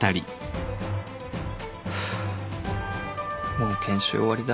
もう研修終わりだ。